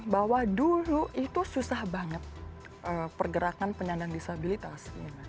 bahwa dulu itu susah banget pergerakan penyandang disabilitas